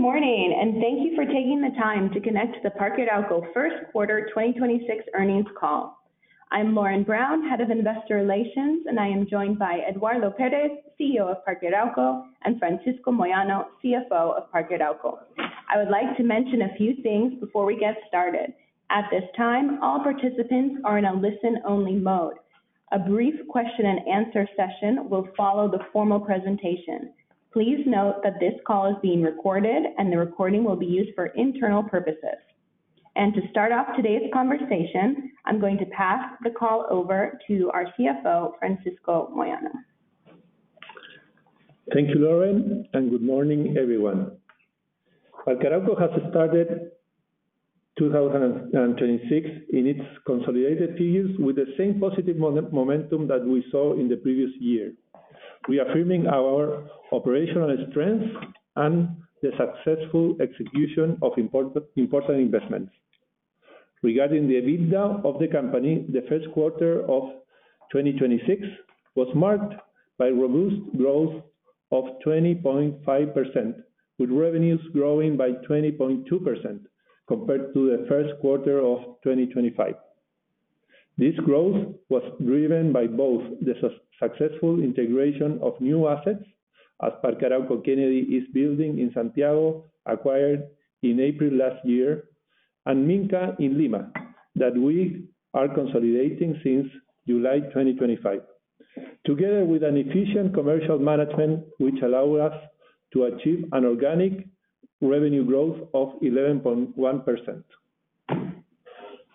Good morning. Thank you for taking the time to connect to the Parque Arauco first quarter 2026 earnings call. I'm Lauren Brown, Head of Investor Relations, and I am joined by Eduardo Pérez, CEO of Parque Arauco, and Francisco Moyano, CFO of Parque Arauco. I would like to mention a few things before we get started. At this time, all participants are in a listen-only mode. A brief question and answer session will follow the formal presentation. Please note that this call is being recorded, and the recording will be used for internal purposes. To start off today's conversation, I'm going to pass the call over to our CFO, Francisco Moyano. Thank you, Lauren, and good morning, everyone. Parque Arauco has started 2026 in its consolidated peers with the same positive momentum that we saw in the previous year. We are affirming our operational strength and the successful execution of important investments. Regarding the EBITDA of the company, the first quarter of 2026 was marked by robust growth of 20.5%, with revenues growing by 20.2% compared to the first quarter of 2025. This growth was driven by both the successful integration of new assets as Parque Arauco Kennedy is building in Santiago, acquired in April last year, and Minka in Lima that we are consolidating since July 2025. Together with an efficient commercial management which allow us to achieve an organic revenue growth of 11.1%.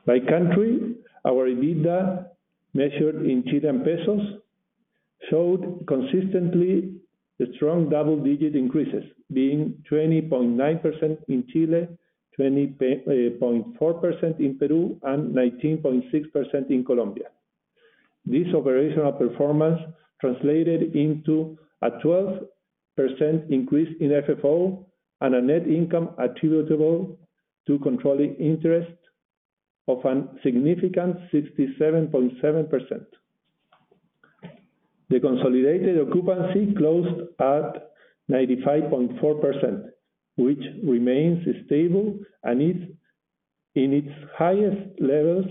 By country, our EBITDA, measured in Chilean pesos, showed consistently the strong double-digit increases, being 20.9% in Chile, 20.4% in Peru, and 19.6% in Colombia. This operational performance translated into a 12% increase in FFO and a net income attributable to controlling interest of a significant 67.7%. The consolidated occupancy closed at 95.4%, which remains stable and is in its highest levels,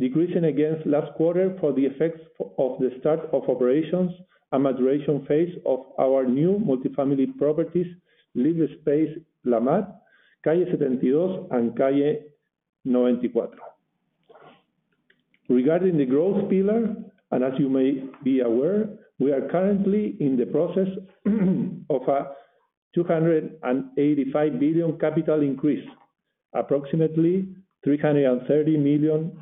decreasing against last quarter for the effects of the start of operations and maturation phase of our new multifamily properties, LIV Space La Mar, Calle setenta y dos, and Calle noventa y cuatro. Regarding the growth pillar, as you may be aware, we are currently in the process of a 285 billion capital increase, approximately $330 million,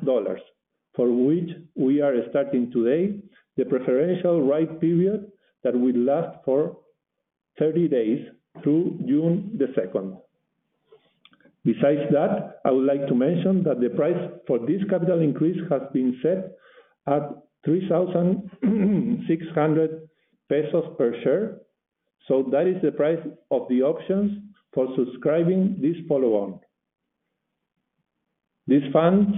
for which we are starting today the preferential right period that will last for 30 days through June 2. Besides that, I would like to mention that the price for this capital increase has been set at 3,600 pesos per share. That is the price of the options for subscribing this follow-on. These funds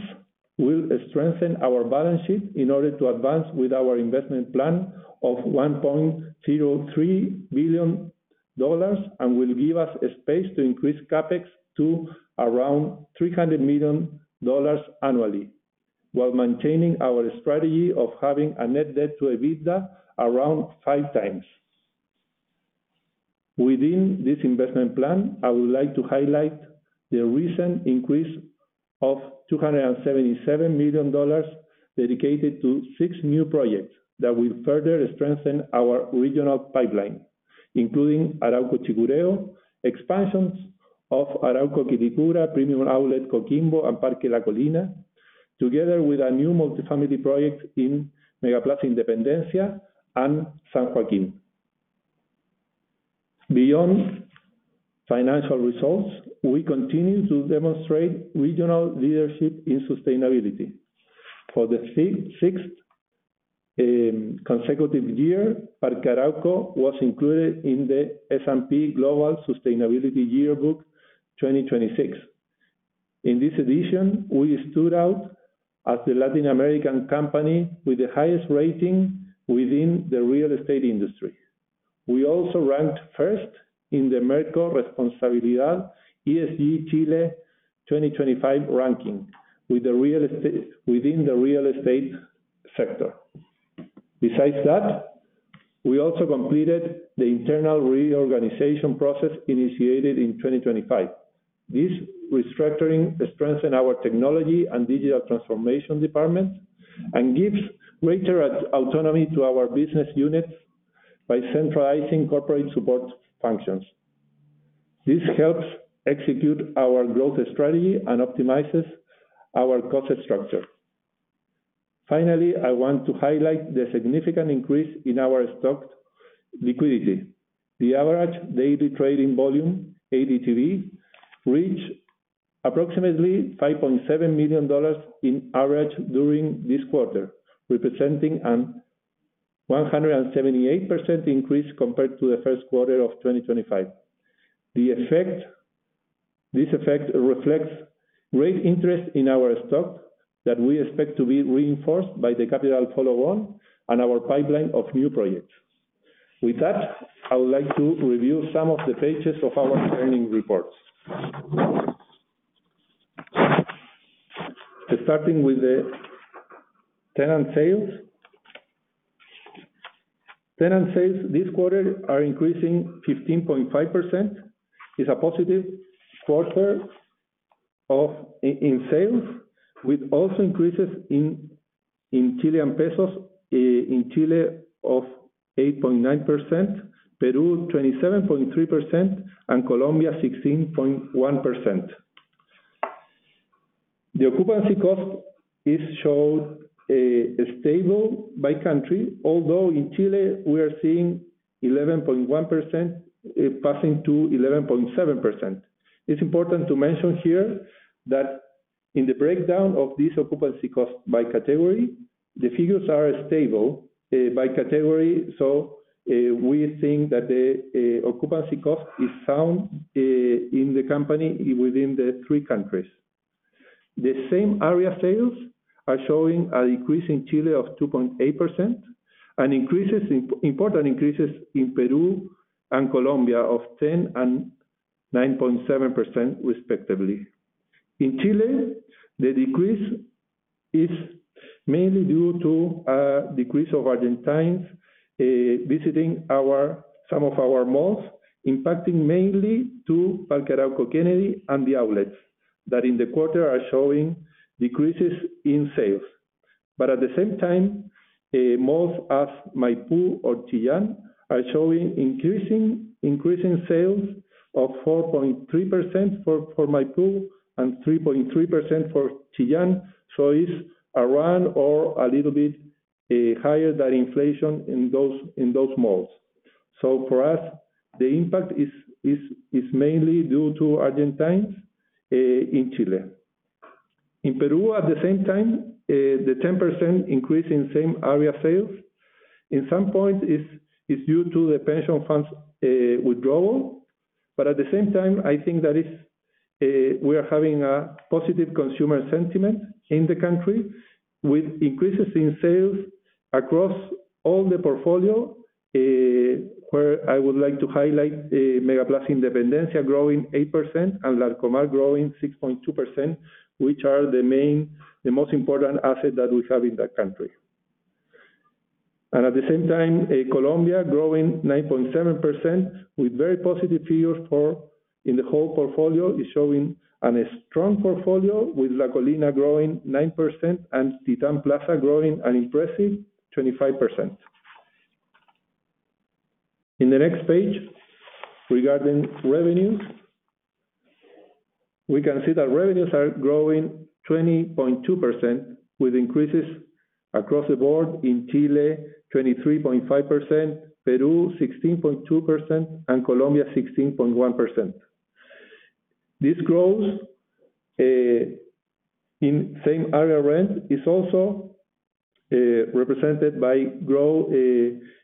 will strengthen our balance sheet in order to advance with our investment plan of $1.03 billion and will give us space to increase CapEx to around $300 million annually while maintaining our strategy of having a net debt to EBITDA around 5x. Within this investment plan, I would like to highlight the recent increase of $277 million dedicated to six new projects that will further strengthen our regional pipeline, including Arauco Chicureo, expansions of Arauco Quilicura, Premium Outlet Coquimbo, and Parque La Colina, together with a new multifamily project in MegaPlaza Independencia and San Joaquín. Beyond financial results, we continue to demonstrate regional leadership in sustainability. For the sixth consecutive year, Parque Arauco was included in the S&P Global Sustainability Yearbook 2026. In this edition, we stood out as the Latin American company with the highest rating within the real estate industry. We also ranked first in the Merco Responsabilidad ESG Chile 2025 ranking within the real estate sector. Besides that, we also completed the internal reorganization process initiated in 2025. This restructuring strengthened our technology and digital transformation department and gives greater autonomy to our business units by centralizing corporate support functions. This helps execute our growth strategy and optimizes our cost structure. I want to highlight the significant increase in our stock liquidity. The average daily trading volume, ADTV, reached approximately $5.7 million in average during this quarter, representing a 178% increase compared to the first quarter of 2025. This effect reflects great interest in our stock that we expect to be reinforced by the capital follow-on and our pipeline of new projects. I would like to review some of the pages of our earnings reports. Starting with the tenant sales. Tenant sales this quarter are increasing 15.5%. It's a positive quarter of, in sales, with also increases in Chilean pesos, in Chile of 8.9%, Peru 27.3%, and Colombia 16.1%. The occupancy cost is shown stable by country, although in Chile we are seeing 11.1% passing to 11.7%. It's important to mention here that in the breakdown of this occupancy cost by category, the figures are stable by category. We think that the occupancy cost is sound in the company within the three countries. The same area sales are showing an increase in Chile of 2.8% and important increases in Peru and Colombia of 10% and 9.7% respectively. In Chile, the decrease is mainly due to a decrease of Argentines visiting some of our malls, impacting mainly Parque Arauco Kennedy and the outlets, that in the quarter are showing decreases in sales. At the same time, malls as Maipú or Chillán are showing increasing sales of 4.3% for Maipú and 3.3% for Chillán. It's around or a little bit higher than inflation in those malls. For us, the impact is mainly due to Argentines in Chile. In Peru, at the same time, the 10% increase in same area sales in some points is due to the pension funds withdrawal. At the same time, I think that is, we are having a positive consumer sentiment in the country with increases in sales across all the portfolio. Where I would like to highlight, MegaPlaza Independencia growing 8% and Larcomar growing 6.2%, which are the main, the most important asset that we have in that country. At the same time, Colombia growing 9.7% with very positive figures and a strong portfolio with La Colina growing 9% and Titán Plaza growing an impressive 25%. In the next page, regarding revenues. We can see that revenues are growing 20.2% with increases across the board. In Chile, 23.5%, Peru 16.2%, and Colombia 16.1%. This growth in Same-Store Rent is also represented by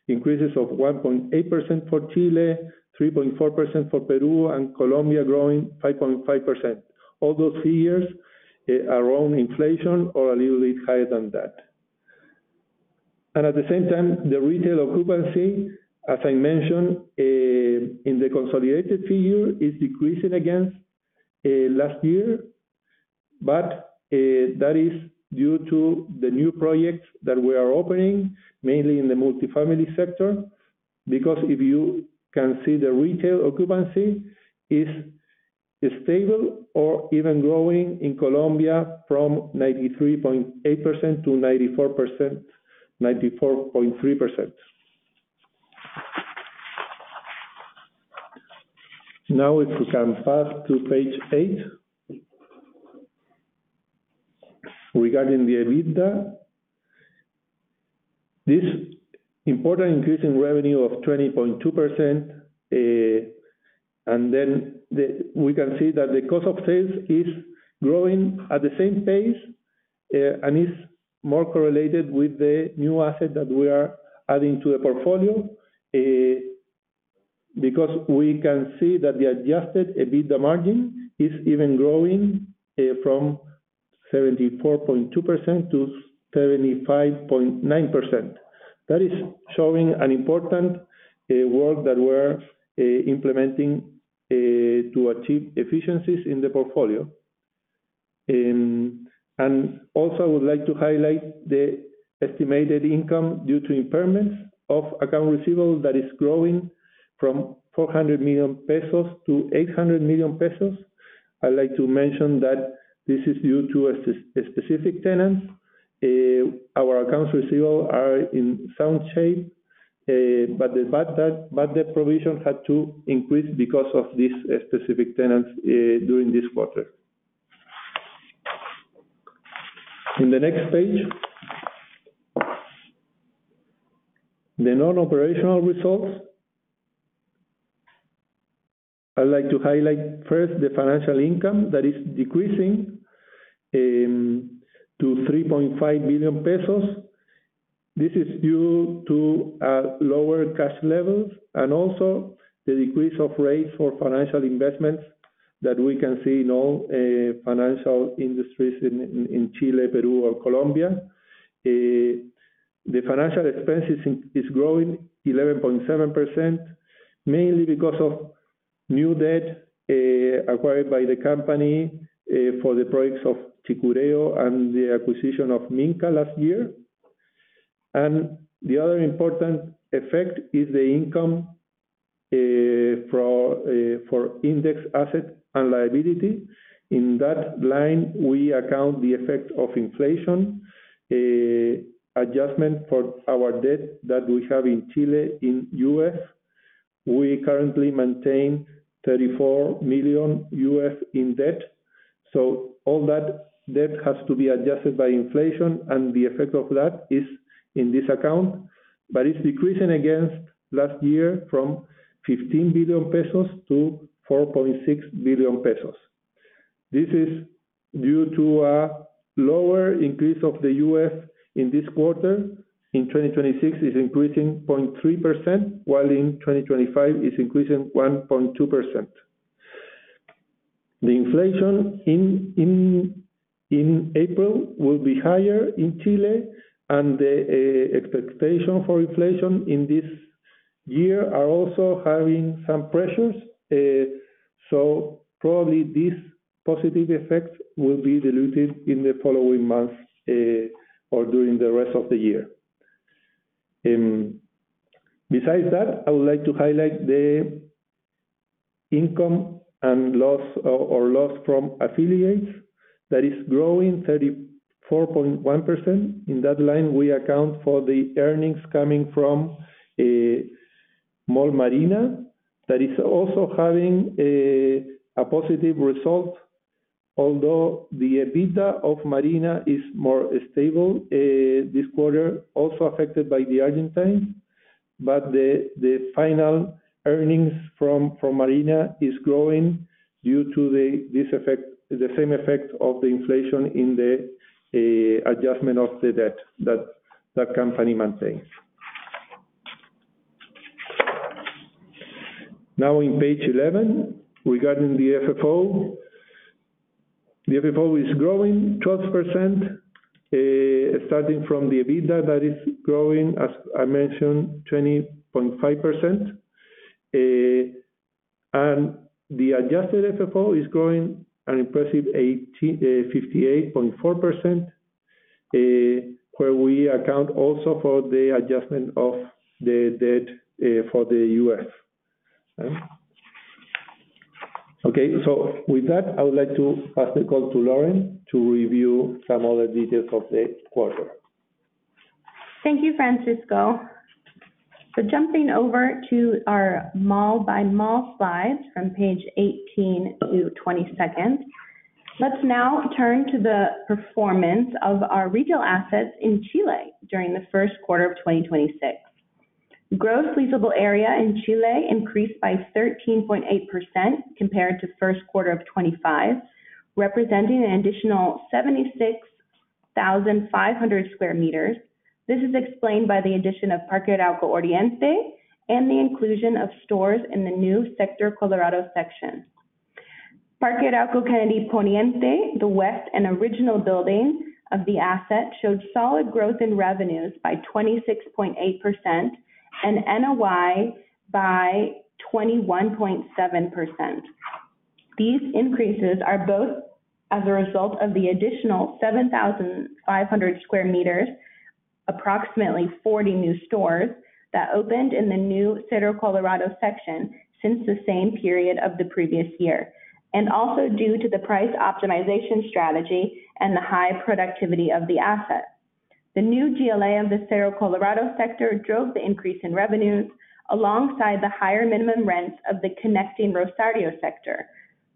increases of 1.8% for Chile, 3.4% for Peru, and Colombia growing 5.5%. All those figures are around inflation or a little bit higher than that. At the same time, the retail occupancy, as I mentioned, in the consolidated figure, is decreasing against last year. That is due to the new projects that we are opening, mainly in the multifamily sector. Because if you can see the retail occupancy is stable or even growing in Colombia from 93.8% to 94%, 94.3%. If we can fast to page eight. Regarding the EBITDA. This important increase in revenue of 20.2%. We can see that the cost of sales is growing at the same pace and is more correlated with the new assets that we are adding to the portfolio. We can see that the adjusted EBITDA margin is even growing from 74.2% to 75.9%. That is showing an important work that we're implementing to achieve efficiencies in the portfolio. Also, I would like to highlight the estimated income due to impairments of accounts receivable that is growing from 400 million-800 million pesos. I like to mention that this is due to a specific tenant. Our accounts receivable are in sound shape, but the bad debt provision had to increase because of this specific tenant during this quarter. In the next page, the non-operational results. I like to highlight first the financial income that is decreasing to 3.5 million pesos. This is due to lower cash levels and also the decrease of rates for financial investments that we can see in all financial industries in Chile, Peru, or Colombia. The financial expenses is growing 11.7%, mainly because of new debt acquired by the company for the projects of Chicureo and the acquisition of Minka last year. The other important effect is the income for index asset and liability. In that line, we account the effect of inflation adjustment for our debt that we have in Chile in UF. We currently maintain $34 million in debt, all that debt has to be adjusted by inflation, and the effect of that is in this account. It's decreasing against last year from 15 billion-4.6 billion pesos. This is due to a lower increase of the UF in this quarter. In 2026, it's increasing 0.3%, while in 2025, it's increasing 1.2%. The inflation in April will be higher in Chile, and the expectation for inflation in this year are also having some pressures. Probably this positive effect will be diluted in the following months or during the rest of the year. Besides that, I would like to highlight the income and loss or loss from affiliates that is growing 34.1%. In that line, we account for the earnings coming from Mall Marina. That is also having a positive result, although the EBITDA of Marina is more stable this quarter, also affected by the Argentine. The final earnings from Marina is growing due to this effect, the same effect of the inflation in the adjustment of the debt that that company maintains. Now, in page 11, regarding the FFO. The FFO is growing 12%, starting from the EBITDA that is growing, as I mentioned, 20.5%. The adjusted FFO is growing an impressive 58.4%, where we account also for the adjustment of the debt, for the U.S. With that, I would like to pass the call to Lauren to review some other details of the quarter. Thank you, Francisco. Jumping over to our mall-by-mall slides from page 18 to 22nd. Let's now turn to the performance of our retail assets in Chile during the first quarter of 2026. Gross Leasable Area in Chile increased by 13.8% compared to first quarter of 2025, representing an additional 76,500 sq m. This is explained by the addition of Parque Arauco Oriente and the inclusion of stores in the new Sector Colorado section. Parque Arauco Kennedy Poniente, the west and original building of the asset, showed solid growth in revenues by 26.8% and NOI by 21.7%. These increases are both as a result of the additional 7,500 sq m, approximately 40 new stores, that opened in the new Sector Colorado section since the same period of the previous year. Also due to the price optimization strategy and the high productivity of the asset. The new GLA of the Sector Colorado sector drove the increase in revenues alongside the higher minimum rents of the connecting Rosario sector.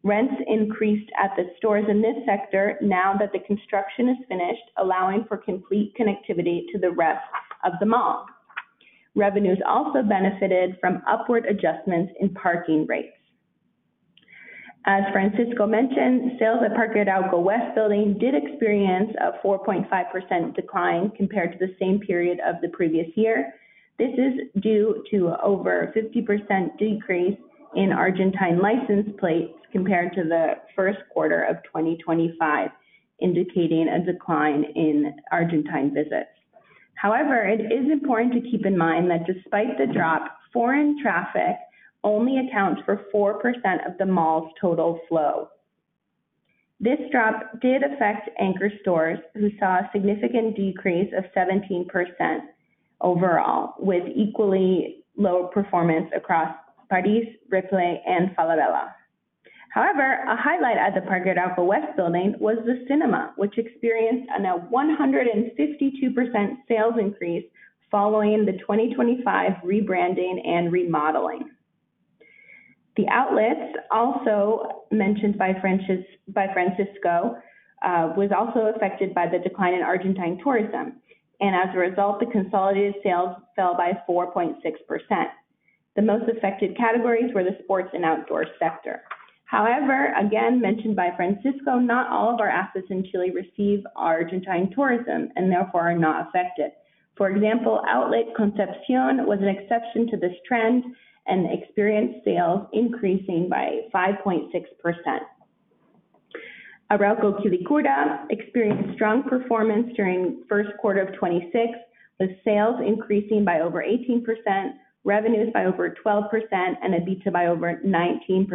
Rents increased at the stores in this sector now that the construction is finished, allowing for complete connectivity to the rest of the mall. Revenues also benefited from upward adjustments in parking rates. As Francisco mentioned, sales at Parque Arauco West building did experience a 4.5% decline compared to the same period of the previous year. This is due to over 50% decrease in Argentine license plates compared to the first quarter of 2025, indicating a decline in Argentine visits. It is important to keep in mind that despite the drop, foreign traffic only accounts for 4% of the mall's total flow. This drop did affect anchor stores, who saw a significant decrease of 17% overall, with equally low performance across París, Ripley, and Falabella. However, a highlight at the Parque Arauco West building was the cinema, which experienced a 152% sales increase following the 2025 rebranding and remodeling. The outlets, also mentioned by Francisco, was also affected by the decline in Argentine tourism, and as a result, the consolidated sales fell by 4.6%. The most affected categories were the sports and outdoor sector. However, again mentioned by Francisco, not all of our assets in Chile receive Argentine tourism and therefore are not affected. For example, Outlet Concepción was an exception to this trend and experienced sales increasing by 5.6%. Arauco Quilicura experienced strong performance during first quarter of 2026, with sales increasing by over 18%, revenues by over 12%, and EBITDA by over 19%.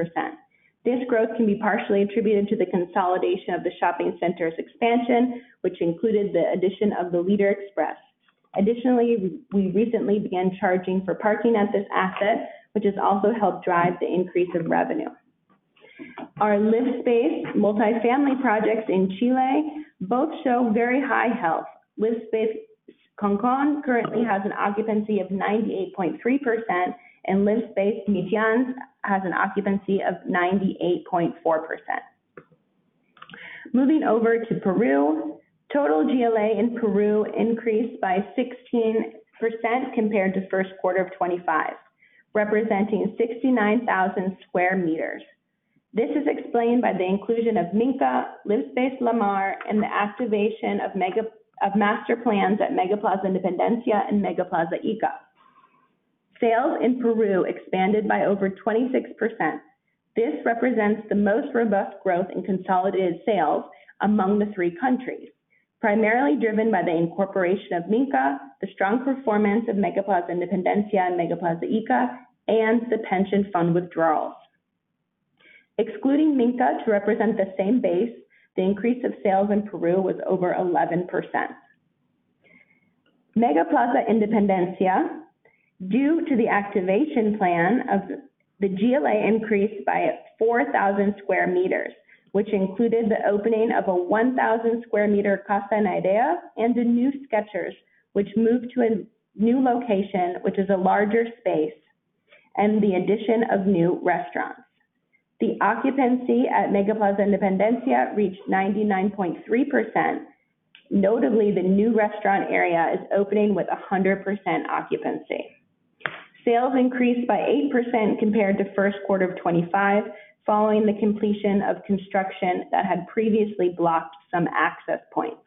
This growth can be partially attributed to the consolidation of the shopping center's expansion, which included the addition of the Express de Lider. We recently began charging for parking at this asset, which has also helped drive the increase in revenue. Our LIV Space multifamily projects in Chile both show very high health. LIV Space Concon currently has an occupancy of 98.3%, and LIV Space Vician has an occupancy of 98.4%. Moving over to Peru. Total GLA in Peru increased by 16% compared to first quarter of 2025, representing 69,000 sq m. This is explained by the inclusion of Minka, LIV Space La Mar, and the activation of master plans at MegaPlaza Independencia and MegaPlaza Ica. Sales in Peru expanded by over 26%. This represents the most robust growth in consolidated sales among the three countries, primarily driven by the incorporation of Minka, the strong performance of MegaPlaza Independencia and MegaPlaza Ica, and the pension fund withdrawals. Excluding Minka to represent the same base, the increase of sales in Peru was over 11%. MegaPlaza Independencia, due to the activation plan of the GLA increase by 4,000 sq m, which included the opening of a 1,000 sq m Casaideas and a new Skechers, which moved to a new location, which is a larger space, and the addition of new restaurants. The occupancy at MegaPlaza Independencia reached 99.3%. Notably, the new restaurant area is opening with 100% occupancy. Sales increased by 8% compared to first quarter of 2025, following the completion of construction that had previously blocked some access points.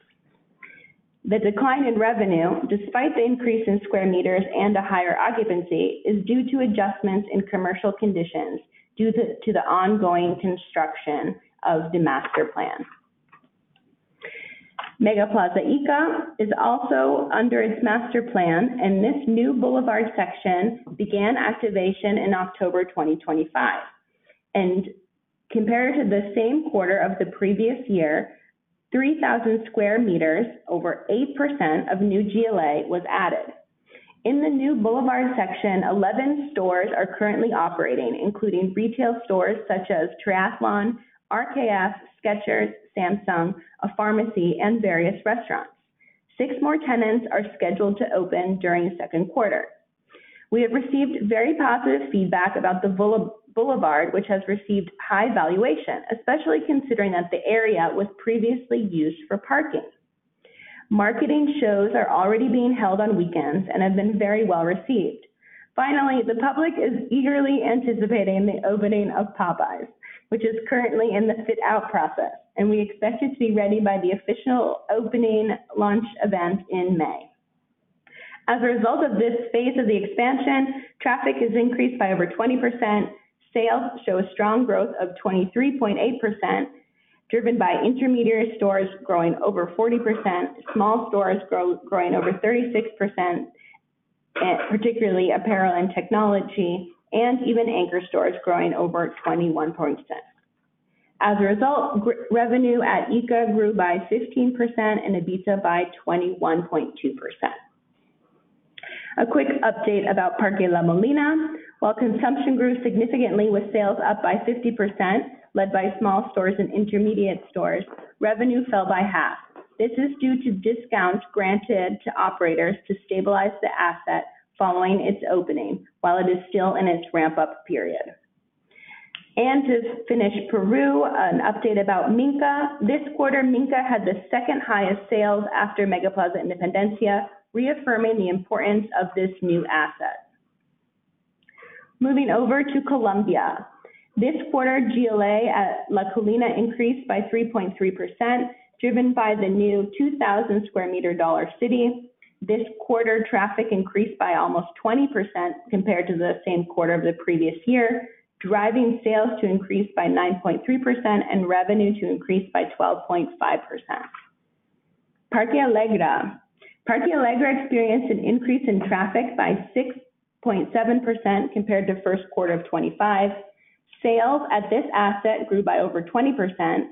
The decline in revenue, despite the increase in sq m and a higher occupancy, is due to adjustments in commercial conditions due to the ongoing construction of the master plan. MegaPlaza Ica is also under its master plan, this new boulevard section began activation in October 2025. Compared to the same quarter of the previous year, 3,000 sq m, over 8% of new GLA was added. In the new boulevard section, 11 stores are currently operating, including retail stores such as Triathlon, RKF, Skechers, Samsung, a pharmacy, and various restaurants. Six more tenants are scheduled to open during second quarter. We have received very positive feedback about the boulevard, which has received high valuation, especially considering that the area was previously used for parking. Marketing shows are already being held on weekends and have been very well-received. Finally, the public is eagerly anticipating the opening of Popeyes, which is currently in the fit-out process, and we expect it to be ready by the official opening launch event in May. As a result of this phase of the expansion, traffic has increased by over 20%. Sales show a strong growth of 23.8%, driven by intermediary stores growing over 40%, small stores growing over 36%, and particularly apparel and technology, and even anchor stores growing over 21.6%. As a result, revenue at Ica grew by 15% and EBITDA by 21.2%. A quick update about Parque La Colina. While consumption grew significantly with sales up by 50%, led by small stores and intermediate stores, revenue fell by half. To finish Peru, an update about Minka. This quarter, Minka had the second highest sales after MegaPlaza Independencia, reaffirming the importance of this new asset. Moving over to Colombia. This quarter, GLA at La Colina increased by 3.3%, driven by the new 2,000 sq m Dollar City. This quarter, traffic increased by almost 20% compared to the same quarter of the previous year, driving sales to increase by 9.3% and revenue to increase by 12.5%. Parque Alegra. Parque Alegria experienced an increase in traffic by 6.7% compared to first quarter of 2025. Sales at this asset grew by over 20%,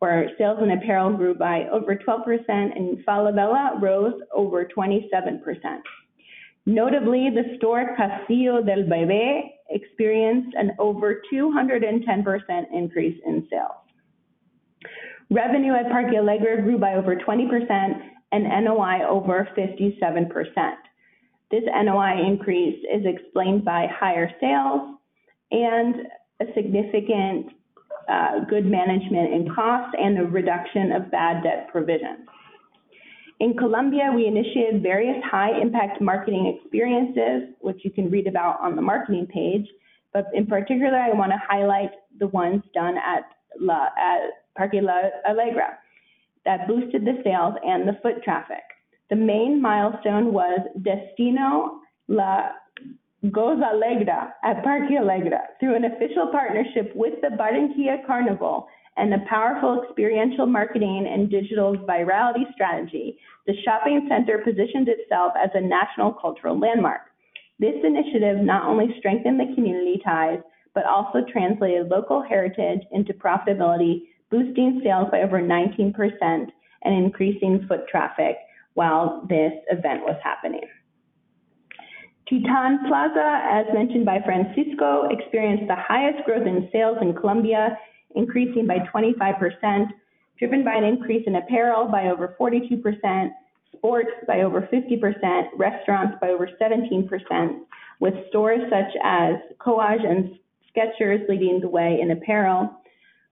where sales in apparel grew by over 12% and Falabella rose over 27%. Notably, the store El Castillo del Bebé experienced an over 210% increase in sales. Revenue at Parque Alegria grew by over 20% and NOI over 57%. This NOI increase is explained by higher sales and a significant good management in costs and a reduction of bad debt provisions. In Colombia, we initiated various high impact marketing experiences, which you can read about on the marketing page. In particular, I wanna highlight the ones done at Parque Alegria that boosted the sales and the foot traffic. The main milestone was Destino La Gozadera at Parque Alegria. Through an official partnership with the Barranquilla Carnival and the powerful experiential marketing and digital virality strategy, the shopping center positioned itself as a national cultural landmark. This initiative not only strengthened the community ties, but also translated local heritage into profitability, boosting sales by over 19% and increasing foot traffic while this event was happening. Titán Plaza, as mentioned by Francisco, experienced the highest growth in sales in Colombia, increasing by 25%, driven by an increase in apparel by over 42%, sports by over 50%, restaurants by over 17%, with stores such as Koaj and Skechers leading the way in apparel.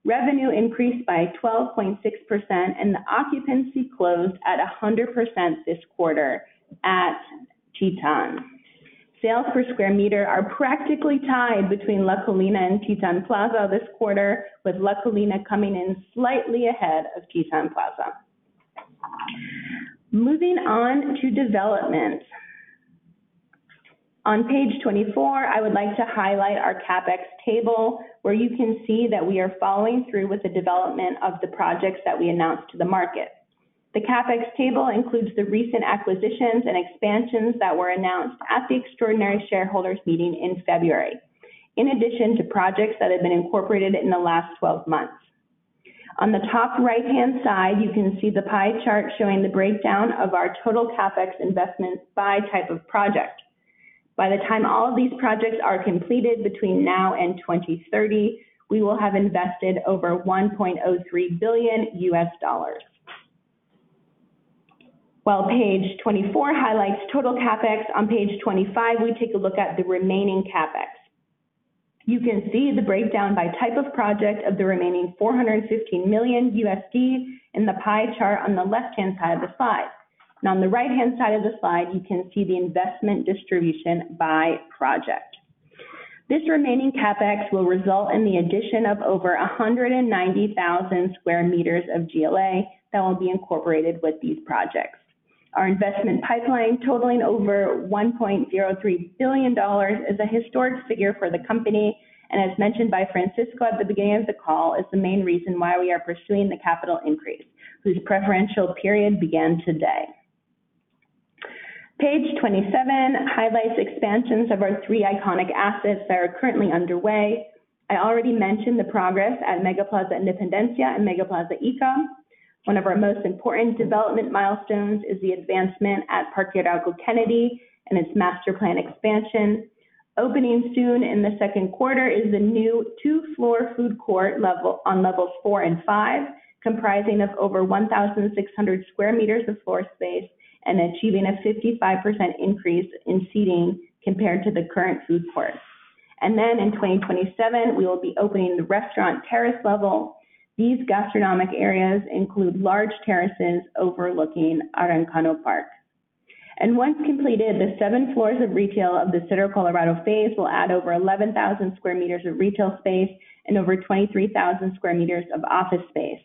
Revenue increased by 12.6% and the occupancy closed at 100% this quarter at Titán. Sales per sq m are practically tied between La Colina and Titán Plaza this quarter, with La Colina coming in slightly ahead of Titán Plaza. Moving on to development. On page 24, I would like to highlight our CapEx table, where you can see that we are following through with the development of the projects that we announced to the market. The CapEx table includes the recent acquisitions and expansions that were announced at the extraordinary shareholders meeting in February, in addition to projects that have been incorporated in the last 12 months. On the top right-hand side, you can see the pie chart showing the breakdown of our total CapEx investments by type of project. By the time all of these projects are completed between now and 2030, we will have invested over $1.03 billion. While page 24 highlights total CapEx, on page 25, we take a look at the remaining CapEx. You can see the breakdown by type of project of the remaining $415 million in the pie chart on the left-hand side of the slide. On the right-hand side of the slide, you can see the investment distribution by project. This remaining CapEx will result in the addition of over 190,000 sq m of GLA that will be incorporated with these projects. Our investment pipeline totaling over $1.03 billion is a historic figure for the company, and as mentioned by Francisco at the beginning of the call, is the main reason why we are pursuing the capital increase, whose preferential period began today. Page 27 highlights expansions of our three iconic assets that are currently underway. I already mentioned the progress at MegaPlaza Independencia and MegaPlaza Ica. One of our most important development milestones is the advancement at Parque Arauco Kennedy and its master plan expansion. Opening soon in the second quarter is the new two-floor food court level, on levels 4 and 5, comprising of over 1,600 sq m of floor space and achieving a 55% increase in seating compared to the current food court. In 2027, we will be opening the restaurant terrace level. These gastronomic areas include large terraces overlooking Aranjuez Park. Once completed, the seven floors of retail of the Cerro Colorado phase will add over 11,000 sq m of retail space and over 23,000 sq m of office space.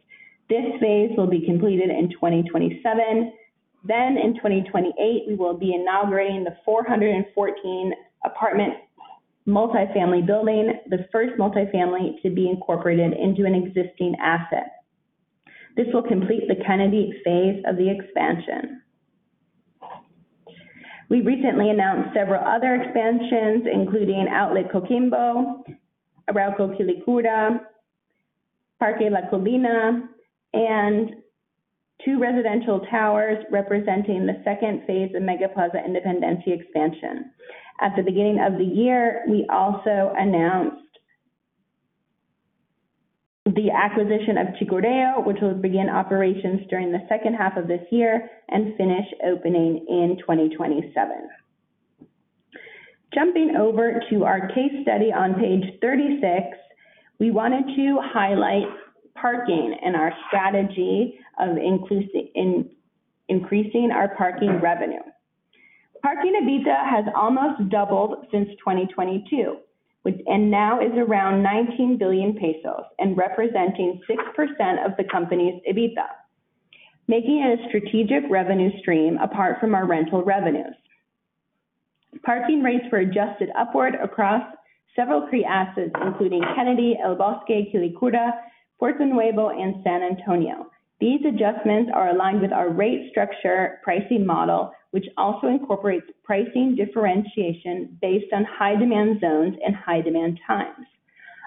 This phase will be completed in 2027. In 2028, we will be inaugurating the 414 apartment multifamily building, the first multifamily to be incorporated into an existing asset. This will complete the Kennedy phase of the expansion. We recently announced several other expansions, including Outlet Coquimbo, Arauco Quilicura, Parque La Colina, and two residential towers representing the second phase of MegaPlaza Independencia expansion. At the beginning of the year, we also announced the acquisition of Chicureo, which will begin operations during the second half of this year and finish opening in 2027. Jumping over to our case study on page 36, we wanted to highlight parking and our strategy of increasing our parking revenue. Parking EBITDA has almost doubled since 2022, and now is around 19 billion pesos and representing 6% of the company's EBITDA, making it a strategic revenue stream apart from our rental revenues. Parking rates were adjusted upward across several key assets, including Kennedy, El Bosque, Quilicura, Portonuevo, and San Antonio. These adjustments are aligned with our rate structure pricing model, which also incorporates pricing differentiation based on high demand zones and high demand times.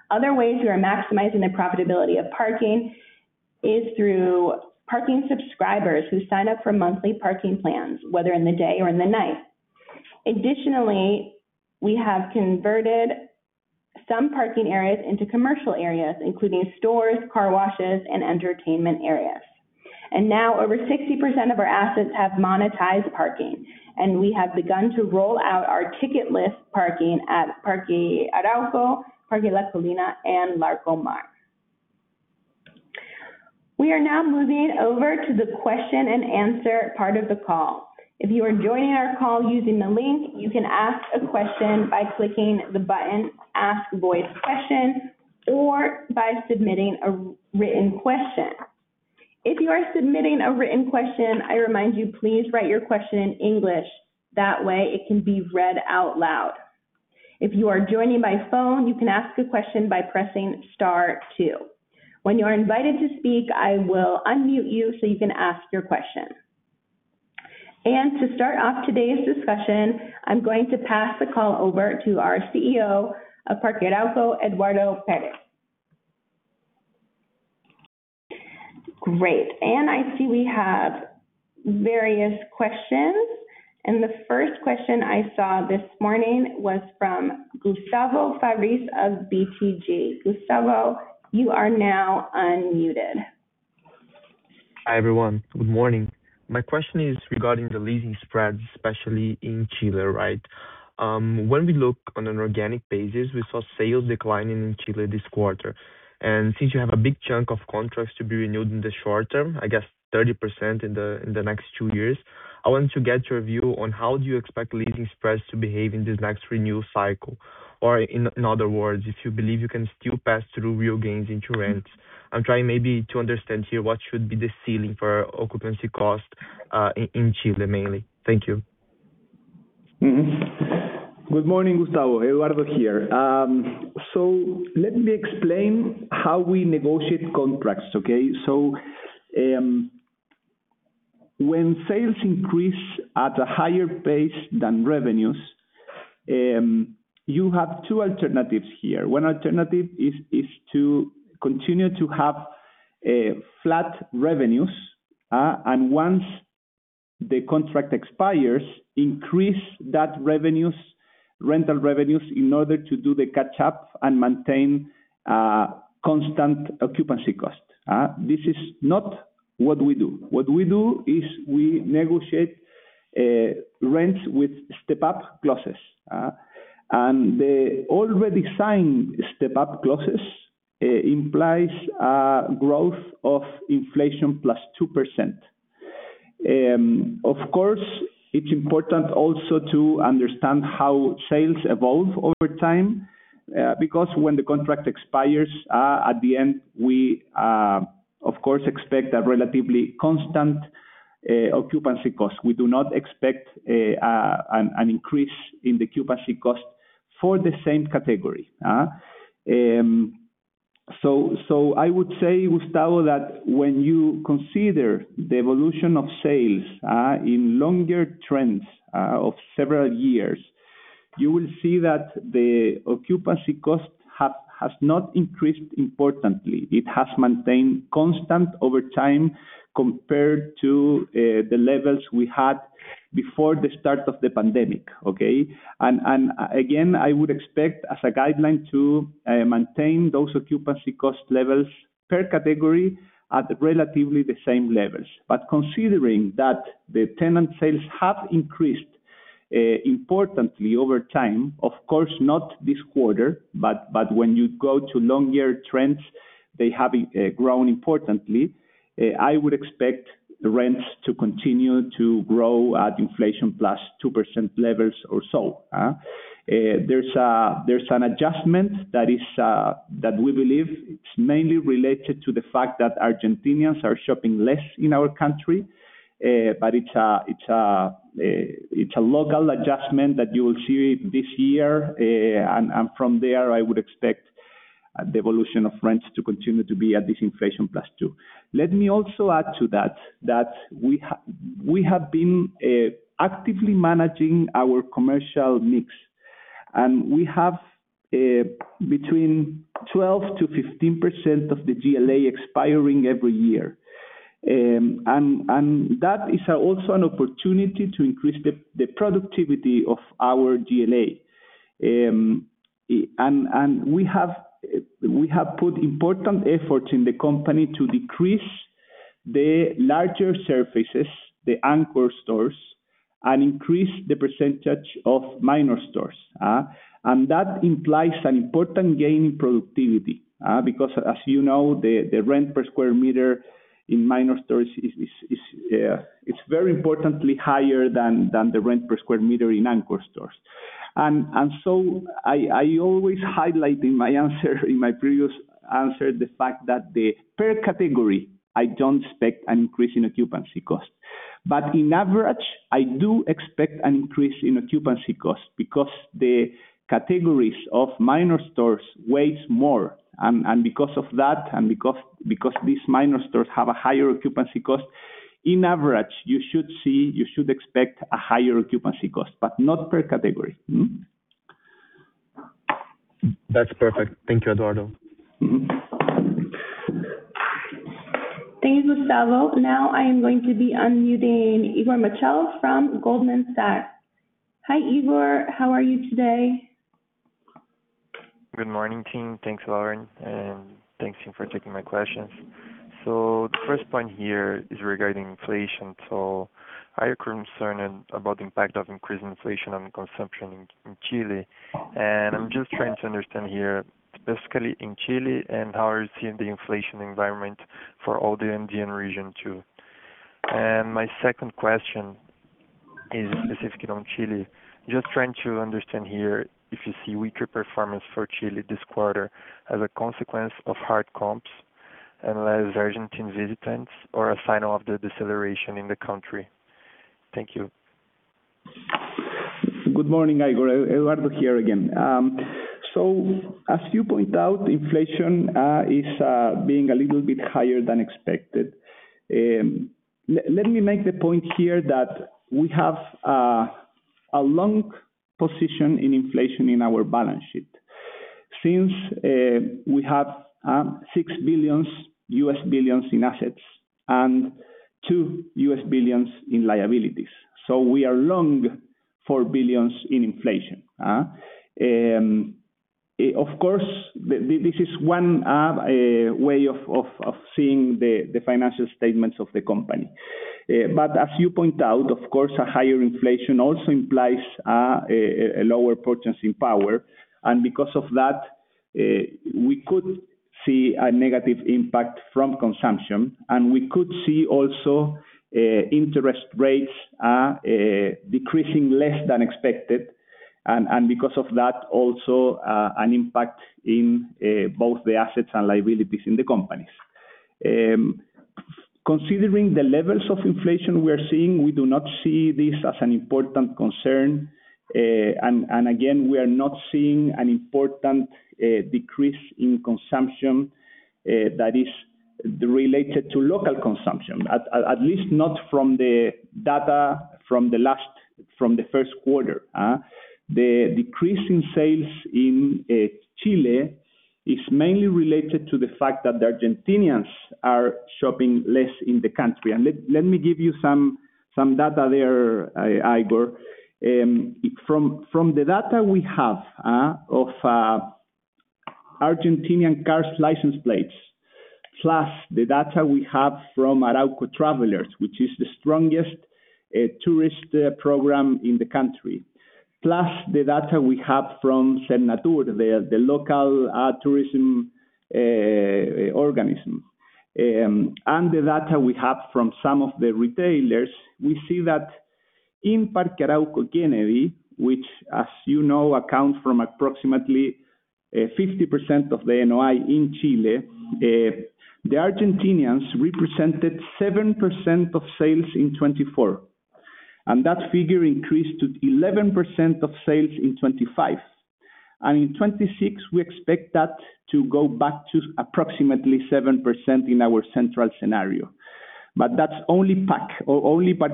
Other ways we are maximizing the profitability of parking is through parking subscribers who sign up for monthly parking plans, whether in the day or in the night. Additionally, we have converted some parking areas into commercial areas, including stores, car washes, and entertainment areas. Now over 60% of our assets have monetized parking, and we have begun to roll out our ticketless parking at Parque Arauco, Parque La Colina, and Larcomar. We are now moving over to the question and answer part of the call. If you are joining our call using the link, you can ask a question by clicking the button, Ask Voice Question, or by submitting a written question. If you are submitting a written question, I remind you, please write your question in English. That way, it can be read out loud. If you are joining by phone, you can ask a question by pressing star two. When you are invited to speak, I will unmute you so you can ask your question. To start off today's discussion, I'm going to pass the call over to our CEO of Parque Arauco, Eduardo Pérez. Great. I see we have various questions, and the first question I saw this morning was from Gustavo Fabris of BTG. Gustavo, you are now unmuted. Hi, everyone. Good morning. My question is regarding the leasing spreads, especially in Chile, right? When we look on an organic basis, we saw sales declining in Chile this quarter. Since you have a big chunk of contracts to be renewed in the short term, I guess 30% in the next two years, I want to get your view on how do you expect leasing spreads to behave in this next renewal cycle? In other words, if you believe you can still pass through real gains into rents. I'm trying maybe to understand here what should be the ceiling for occupancy cost in Chile mainly. Thank you. Good morning, Gustavo. Eduardo here. Let me explain how we negotiate contracts, okay? When sales increase at a higher pace than revenues, you have two alternatives here. One alternative is to continue to have flat revenues, and once the contract expires, increase that revenues, rental revenues in order to do the catch-up and maintain constant occupancy costs. This is not what we do. What we do is we negotiate rents with step-up clauses, and the already signed step-up clauses implies a growth of inflation plus 2%. Of course, it's important also to understand how sales evolve over time, because when the contract expires, at the end, we of course expect a relatively constant occupancy cost. We do not expect an increase in the occupancy cost for the same category. I would say, Gustavo, that when you consider the evolution of sales in longer trends of several years, you will see that the occupancy cost has not increased importantly. It has maintained constant over time compared to the levels we had before the start of the pandemic. Again, I would expect as a guideline to maintain those occupancy cost levels per category at relatively the same levels. Considering that the tenant sales have increased importantly over time, of course not this quarter, but when you go to longer trends, they have grown importantly, I would expect the rents to continue to grow at inflation plus 2% levels or so. There's a, there's an adjustment that is, that we believe it's mainly related to the fact that Argentinians are shopping less in our country. It's a, it's a, it's a local adjustment that you will see this year. From there, I would expect the evolution of rents to continue to be at this inflation +2. Let me also add to that we have been actively managing our commercial mix, and we have between 12% to 15% of the GLA expiring every year. That is also an opportunity to increase the productivity of our GLA. We have put important efforts in the company to decrease the larger surfaces, the anchor stores, and increase the percentage of minor stores. That implies an important gain in productivity, because as you know, the rent per square meter in minor stores is very importantly higher than the rent per square meter in anchor stores. I always highlight in my answer, in my previous answer, the fact that the per category, I don't expect an increase in occupancy cost. In average, I do expect an increase in occupancy cost because the categories of minor stores weighs more. Because of that, because these minor stores have a higher occupancy cost, in average, you should see, you should expect a higher occupancy cost, but not per category. Mm-hmm. That's perfect. Thank you, Eduardo. Thanks, Gustavo. Now I am going to be unmuting Igor Mansour from Goldman Sachs. Hi, Igor. How are you today? Good morning, team. Thanks, Lauren, and thanks for taking my questions. The first point here is regarding inflation. Are you concerned about the impact of increased inflation on consumption in Chile? I'm just trying to understand here, specifically in Chile, and how are you seeing the inflation environment for all the Andean region too? My second question is specifically on Chile. Just trying to understand here if you see weaker performance for Chile this quarter as a consequence of hard comps and less Argentine visitants or a sign of the deceleration in the country. Thank you. Good morning, Igor. Eduardo here again. As you point out, inflation is being a little bit higher than expected. Let me make the point here that we have a long position in inflation in our balance sheet. Since we have six U.S. billions in assets and two U.S. billions in liabilities. We are long four billions in inflation? Of course, this is one way of seeing the financial statements of the company. As you point out, of course, a higher inflation also implies a lower purchasing power. Because of that, we could see a negative impact from consumption, and we could see also interest rates decreasing less than expected. Because of that also, an impact in both the assets and liabilities in the companies. Considering the levels of inflation we are seeing, we do not see this as an important concern. Again, we are not seeing an important decrease in consumption that is related to local consumption, at least not from the data from the first quarter. The decrease in sales in Chile is mainly related to the fact that the Argentinians are shopping less in the country. Let me give you some data there, Igor. From the data we have of Argentinian cars license plates, plus the data we have from Arauco Travelers, which is the strongest tourist program in the country. The data we have from Sernatur, the local tourism organism. The data we have from some of the retailers, we see that in Parque Arauco Kennedy, which, as you know, accounts from approximately 50% of the NOI in Chile. The Argentinians represented 7% of sales in 2024, and that figure increased to 11% of sales in 2025. In 2026, we expect that to go back to approximately 7% in our central scenario. That's only Parque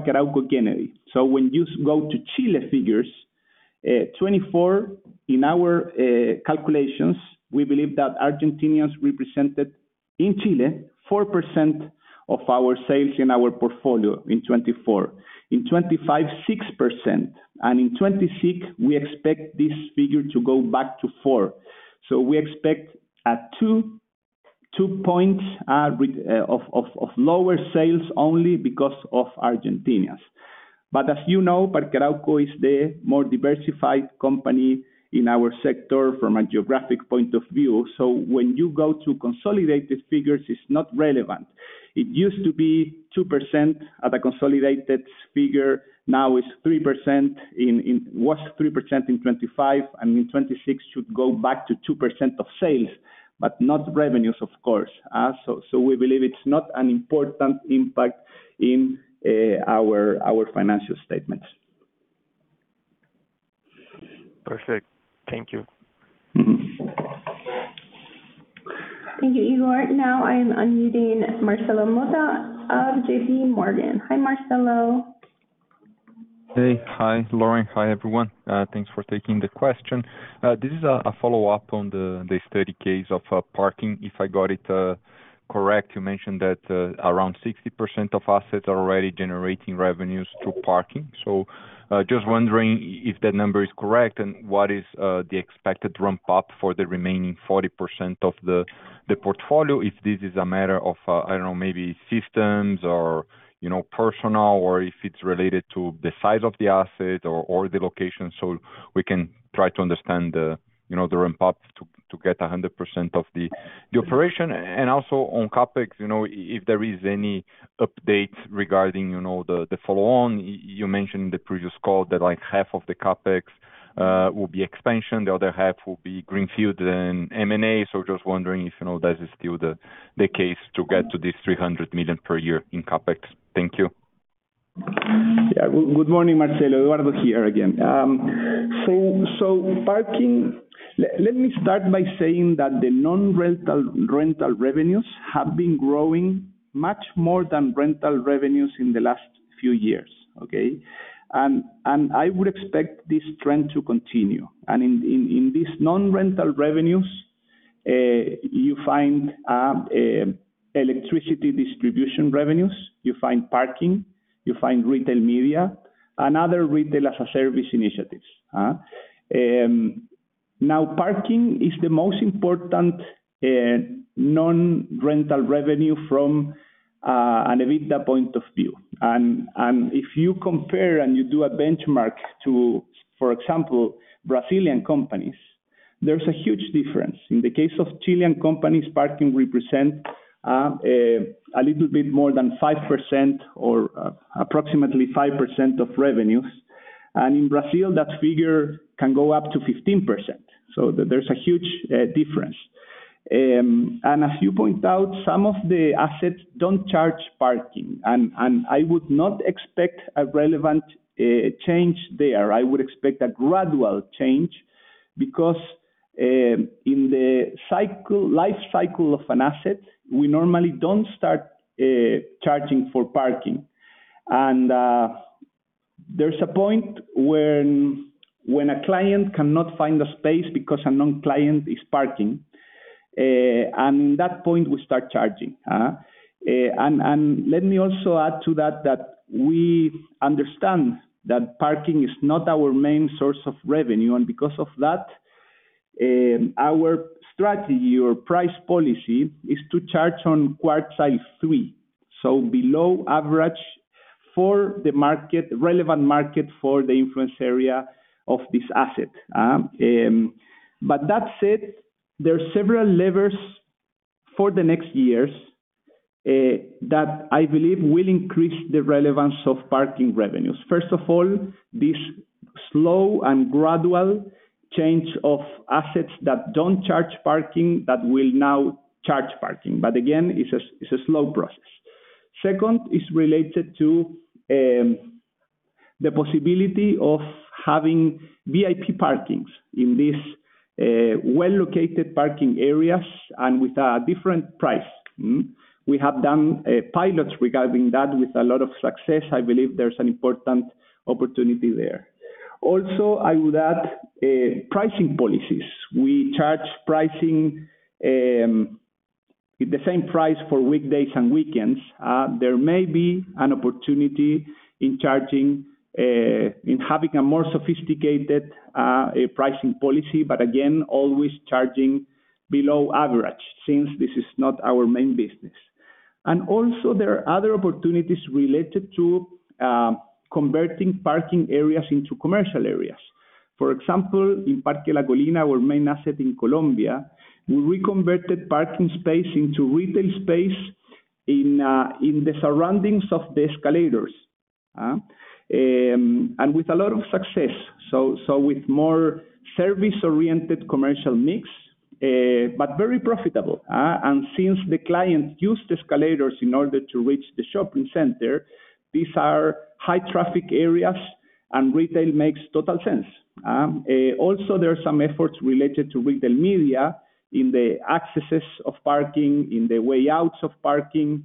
Arauco Kennedy. When you go to Chile figures, 2024 in our calculations, we believe that Argentinians represented, in Chile, 4% of our sales in our portfolio in 2024. In 2025, 6%. In 2026, we expect this figure to go back to 4%. We expect a two points of lower sales only because of Argentinians. As you know, Parque Arauco is the more diversified company in our sector from a geographic point of view. When you go to consolidated figures, it's not relevant. It used to be 2% at a consolidated figure. Now it's 3%. It was 3% in 2025, and in 2026 should go back to 2% of sales, but not revenues, of course. We believe it's not an important impact in our financial statements. Perfect. Thank you. Mm-hmm. Thank you, Igor. Now I'm unmuting Marcelo Motta of JPMorgan. Hi, Marcelo. Hey. Hi, Lauren. Hi, everyone. Thanks for taking the question. This is a follow-up on the study case of parking. If I got it correct, you mentioned that around 60% of assets are already generating revenues through parking. Just wondering if that number is correct, and what is the expected ramp-up for the remaining 40% of the portfolio, if this is a matter of, I don't know, maybe systems or, you know, personnel or if it's related to the size of the asset or the location. We can try to understand the, you know, the ramp-up to get 100% of the operation. Also on CapEx, you know, if there is any updates regarding, you know, the follow on. You mentioned in the previous call that, like, half of the CapEx will be expansion, the other half will be greenfield and M&A. Just wondering if, you know, that is still the case to get to this 300 million per year in CapEx. Thank you. Good morning, Marcelo. Eduardo here again. Let me start by saying that the non-rental rental revenues have been growing much more than rental revenues in the last few years. I would expect this trend to continue. In these non-rental revenues, you find electricity distribution revenues. You find parking. You find retail media and other retail as a service initiatives. Parking is the most important non-rental revenue from an EBITDA point of view. If you compare and you do a benchmark to, for example, Brazilian companies, there's a huge difference. In the case of Chilean companies, parking represent a little bit more than 5% or approximately 5% of revenues. In Brazil, that figure can go up to 15%. There's a huge difference. As you point out, some of the assets don't charge parking, I would not expect a relevant change there. I would expect a gradual change because in the cycle, life cycle of an asset, we normally don't start charging for parking. There's a point when a client cannot find a space because a non-client is parking, and in that point we start charging. Let me also add to that we understand that parking is not our main source of revenue, and because of that, our strategy or price policy is to charge on quartile three, so below average for the market, relevant market for the influence area of this asset. That said, there are several levers for the next years that I believe will increase the relevance of parking revenues. First of all, this slow and gradual change of assets that don't charge parking that will now charge parking. Again, it's a slow process. Second is related to the possibility of having VIP parkings in these well-located parking areas and with a different price. We have done pilots regarding that with a lot of success. I believe there's an important opportunity there. Also, I would add pricing policies. We charge pricing the same price for weekdays and weekends. There may be an opportunity in charging in having a more sophisticated pricing policy, again, always charging below average since this is not our main business. Also there are other opportunities related to converting parking areas into commercial areas. For example, in Parque La Colina, our main asset in Colombia, we reconverted parking space into retail space in the surroundings of the escalators. With a lot of success. With more service-oriented commercial mix, very profitable. Since the clients use the escalators in order to reach the shopping center, these are high traffic areas and retail makes total sense. Also there are some efforts related to retail media in the accesses of parking, in the way outs of parking.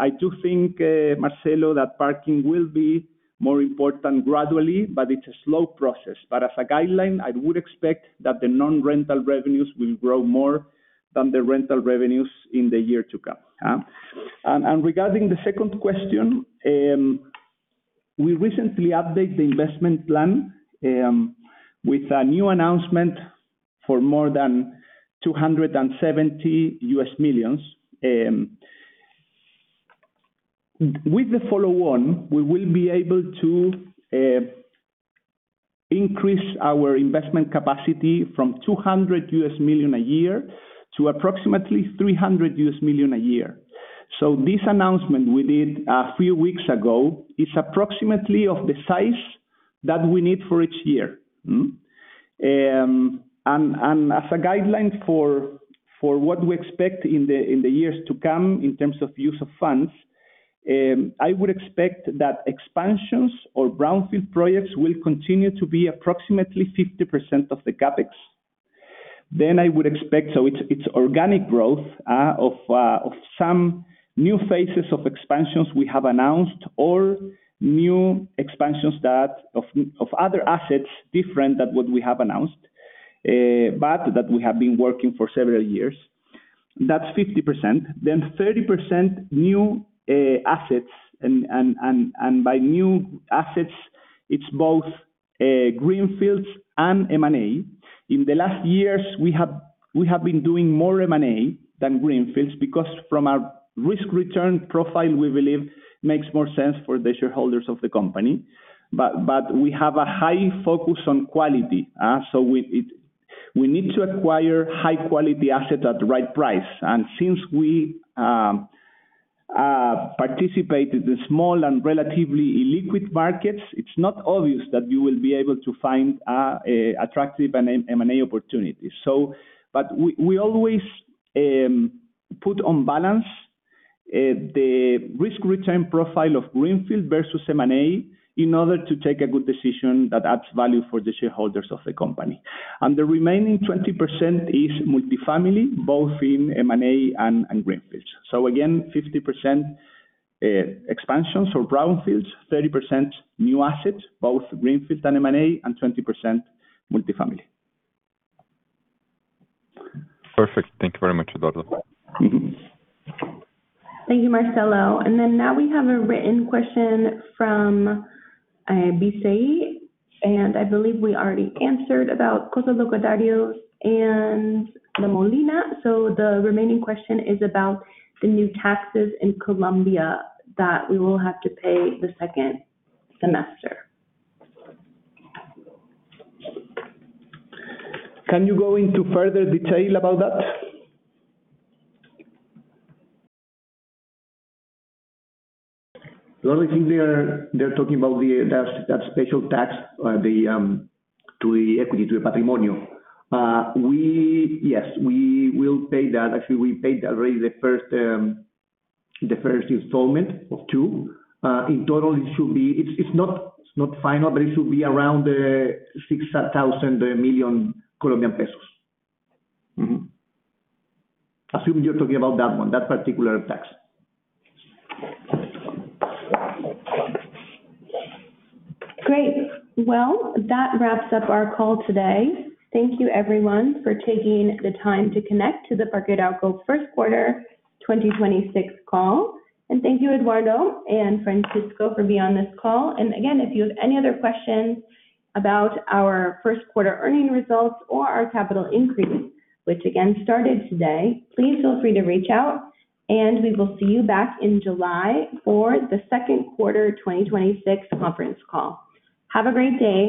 I do think, Marcelo, that parking will be more important gradually, but it's a slow process. As a guideline, I would expect that the non-rental revenues will grow more than the rental revenues in the year to come. Regarding the second question, we recently update the investment plan with a new announcement for more than 270 U.S. million. With the follow-on, we will be able to increase our investment capacity from 200 U.S. million a year to approximately 300 U.S. million a year. This announcement we did a few weeks ago is approximately of the size that we need for each year. As a guideline for what we expect in the years to come in terms of use of funds, I would expect that expansions or brownfield projects will continue to be approximately 50% of the CapEx. I would expect. It's organic growth of some new phases of expansions we have announced or new expansions that of other assets different than what we have announced, but that we have been working for several years. That's 50%. 30% new assets. By new assets, it's both greenfields and M&A. In the last years, we have been doing more M&A than greenfields because from a risk-return profile, we believe makes more sense for the shareholders of the company. We have a high focus on quality. We need to acquire high quality assets at the right price. Since we participate in the small and relatively illiquid markets, it's not obvious that you will be able to find an attractive M&A opportunity. But we always put on balance the risk-return profile of greenfield versus M&A in order to take a good decision that adds value for the shareholders of the company. The remaining 20% is multifamily, both in M&A and greenfields. Again, 50% expansions or brownfields, 30% new assets, both greenfields and M&A, and 20% multifamily. Perfect. Thank you very much, Eduardo. Mm-hmm. Thank you, Marcelo. Now we have a written question from BCI, and I believe we already answered about Costado de Dios and La Molina. The remaining question is about the new taxes in Colombia that we will have to pay the second semester. Can you go into further detail about that? The only thing they're talking about that special tax, to the equity, to the patrimonio. Yes, we will pay that. Actually, we paid already the first installment of two. In total it should be. It's not final, but it should be around COP 6,000 million. Assuming you're talking about that particular tax. Great. Well, that wraps up our call today. Thank you everyone for taking the time to connect to the Parque Arauco first quarter 2026 call. Thank you, Eduardo and Francisco, for being on this call. Again, if you have any other questions about our first quarter earning results or our capital increase, which again started today, please feel free to reach out, and we will see you back in July for the second quarter 2026 conference call. Have a great day.